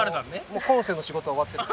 もう今世の仕事は終わってる。